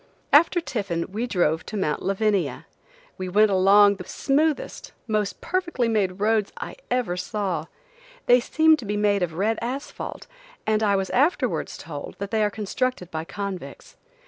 After tiffin we drove to mount Lavania. We went along the smoothest, most perfectly made roads I ever saw. They seemed to be made of red asphalt, and I was afterwards told that they are constructed by convicts.